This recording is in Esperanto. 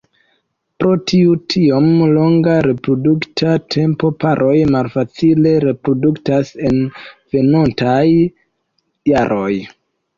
Pro tiu tiom longa reprodukta tempo, paroj malfacile reproduktas en venontaj jaroj.